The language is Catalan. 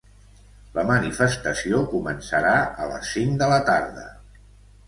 La manifestació començarà a les cinc de la tarda.